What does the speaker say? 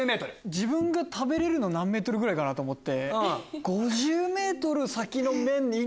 自分が食べれるの何ｍぐらいかな？と思って。